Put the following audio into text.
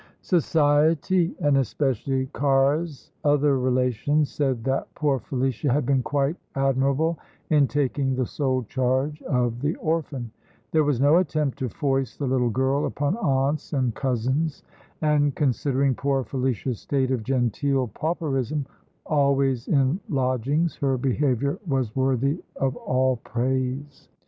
Society, and especially Cara's other relations, said that poor Felicia had been quite admirable in taking the sole charge of the orphan. There was no attempt to foist the little girl upon aunts and cousins; and, considering poor Felicia's state of genteel pauperism, always in lodgings, her behaviour was worthy of all praise.